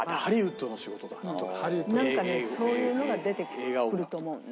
なんかねそういうのが出てくると思うのね。